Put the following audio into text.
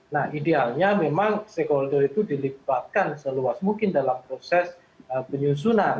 nah idealnya memang stakeholder itu dilibatkan seluas mungkin dalam proses penyusunan